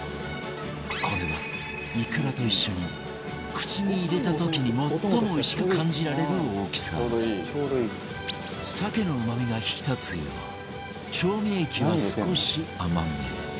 これはイクラと一緒に口に入れた時に最もおいしく感じられる大きさ鮭のうまみが引き立つよう調味液は少し甘め